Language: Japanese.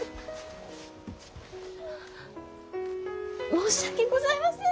申し訳ございません！